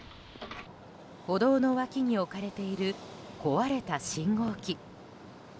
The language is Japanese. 歩道の脇に置かれている壊れた信号機。